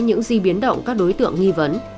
những di biến động các đối tượng nghi vấn